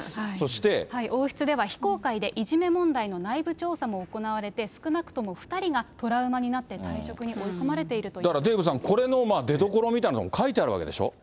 王室では非公開で、いじめ問題の内部調査も行われて、少なくとも２人がトラウマになって退職に追い込まれているというだからデーブさん、この出どころみたいなものも書いてあるわけでしょ。